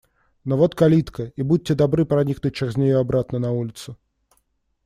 Но вот калитка. И будьте добры проникнуть через нее обратно на улицу.